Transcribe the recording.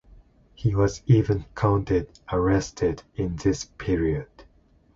He was even courted arrested in this period.